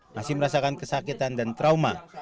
masih merasakan kesakitan dan trauma